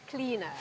ya itu benar